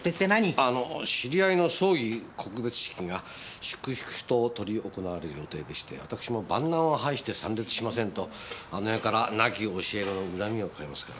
あの知り合いの葬儀・告別式が粛々と執り行われる予定でして私も万難を排して参列しませんとあの世から亡き教え子の恨みを買いますから。